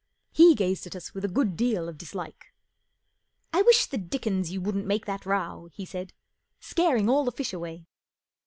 He gazed at us with a good deal of dislike. " I wish the dickens you wouldn't make that row," he said. 44 Scaring all the fish away."